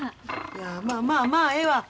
いやまあまあええわ。